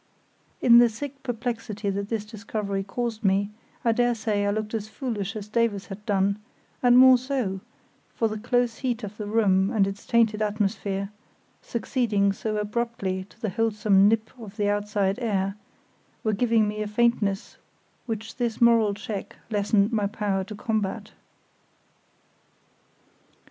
In the sick perplexity that this discovery caused me I dare say I looked as foolish as Davies had done, and more so, for the close heat of the room and its tainted atmosphere, succeeding so abruptly to the wholesome nip of the outside air, were giving me a faintness which this moral check lessened my power to combat.